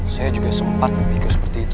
saya juga sempat memikir seperti itu